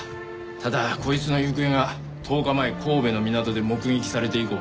ただこいつの行方が１０日前神戸の港で目撃されて以降わかってない。